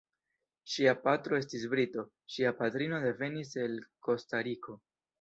Ŝia patro estis brito, ŝia patrino devenis el Kostariko.